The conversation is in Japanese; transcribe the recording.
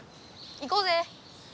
いこうぜ。